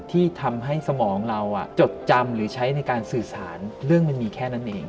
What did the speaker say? ที่ทำให้สมองเราจดจำหรือใช้ในการสื่อสารเรื่องมันมีแค่นั้นเอง